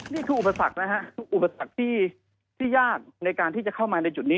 อุปสรรคนะฮะอุปสรรคที่ยากในการที่จะเข้ามาในจุดนี้